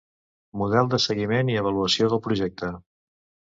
Model de seguiment i avaluació del projecte.